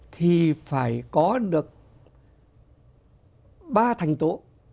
thì phải có được ba thành tố